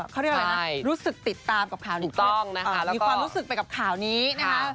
เขาเรียกอะไรนะรู้สึกติดตามกับข่าวถูกต้องนะคะมีความรู้สึกไปกับข่าวนี้นะคะ